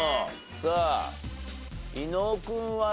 さあ伊野尾君はどう？